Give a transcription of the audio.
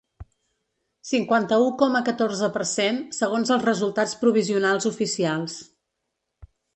Cinquanta-u coma catorze per cent, segons els resultats provisionals oficials.